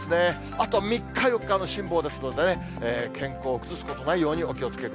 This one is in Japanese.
あと３日、４日の辛抱ですのでね、健康を崩すことのないようにお気をつけく